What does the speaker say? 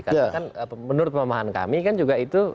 karena kan menurut pemahaman kami kan juga itu